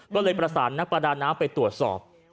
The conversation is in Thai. ก็เลยประสานนักประดาน้ำไปตรวจสอบ